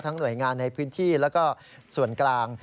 หน่วยงานในพื้นที่แล้วก็ส่วนกลาง